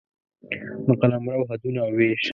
د قلمرو حدونه او وېش